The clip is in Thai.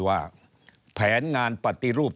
ว่าแผนงานปฏิรูป